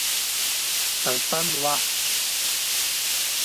پر تن وه.